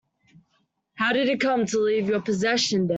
How did it come to leave your possession then?